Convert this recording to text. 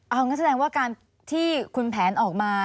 เอางั้นแสดงว่าการที่คุณแผนออกมา